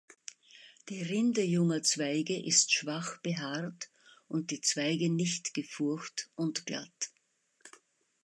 Die Rinde junger Zweige ist schwach behaart und die Zweige nicht gefurcht und glatt.